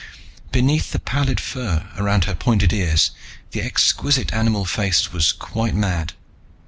Beneath the pallid fur around her pointed ears, the exquisite animal face was quite mad.